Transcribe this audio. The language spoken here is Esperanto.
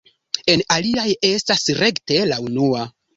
En aliaj estas rekte la unua.